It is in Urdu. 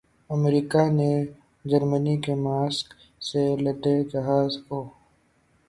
امریکا نے جرمنی کے ماسک سے لدے جہاز کو